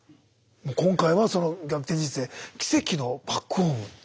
今回はその「逆転人生」「奇跡のバックホーム」。